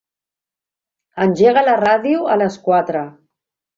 Engega la ràdio a les quatre.